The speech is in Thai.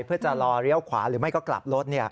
เพื่อจะรอเลี้ยวขวาหรือไม่ก็กลับรถ